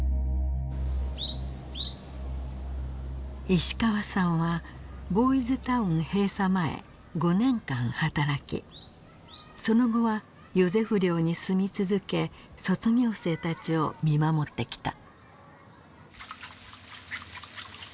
石川さんはボーイズ・タウン閉鎖前５年間働きその後はヨゼフ寮に住み続け卒業生たちを見守ってきた。